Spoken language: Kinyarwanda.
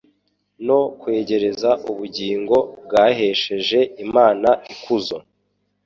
no kwerereza ubugingo. Bahesheje Imana ikuzo